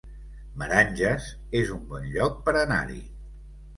Meranges es un bon lloc per anar-hi